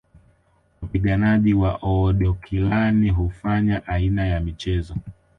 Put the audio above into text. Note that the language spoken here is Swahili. Wapiganaji wa Oodokilani hufanya aina ya mchezo